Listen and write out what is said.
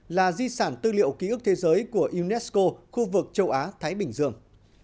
là di sản tư liệu ký ức thế giới của unesco khu vực châu á thái bình dương